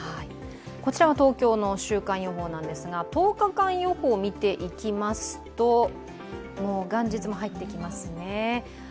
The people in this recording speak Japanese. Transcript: こちらは東京の週間予報なんですが、１０日間予報を見ていきますと、元日も入ってきますね。